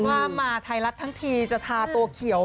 ว่ามาไทยรัฐทั้งทีจะทาตัวเขียว